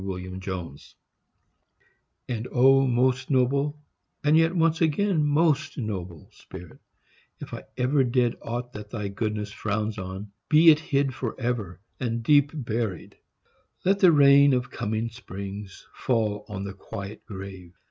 SACRIFICE And O most noble, and yet once again Most noble spirit, if I ever did Aught that thy goodness frowns on, be it hid Forever, and deep buried. Let the rain Of coming springs fall on the quiet grave.